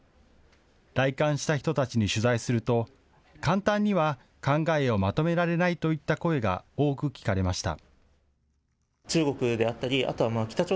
来館した人たちに取材すると簡単には考えをまとめられないといった声が多く聞かれました。